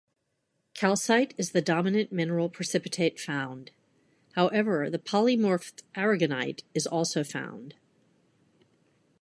Calcite is the dominant mineral precipitate found; however, the polymorph aragonite is also found.